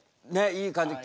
いい感じに。